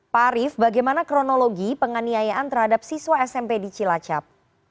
pak arief bagaimana kronologi penganiayaan terhadap siswa smp di cilacap